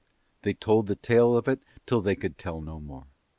They told the tale of it till they could tell no more.